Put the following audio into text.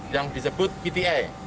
yang disebut pti